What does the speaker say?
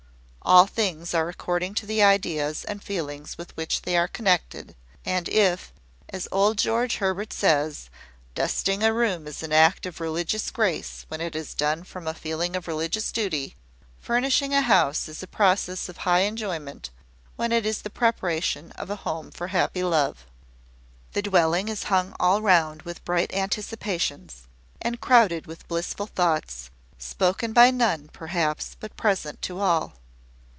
All things are according to the ideas and feelings with which they are connected; and if, as old George Herbert says, dusting a room is an act of religious grace when it is done from a feeling of religious duty, furnishing a house is a process of high enjoyment when it is the preparation of a home for happy love. The dwelling is hung all round with bright anticipations, and crowded with blissful thoughts, spoken by none, perhaps, but present to all.